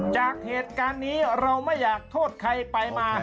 จากเหตุการณ์นี้เราไม่อยากโทษใครไปมา